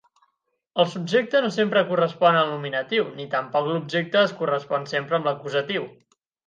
El "subjecte" no sempre correspon al "nominatiu", ni tampoc l'"objecte" es correspon sempre amb l'"acusatiu".